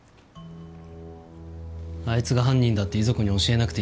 あいつが犯人だって遺族に教えなくていいのか？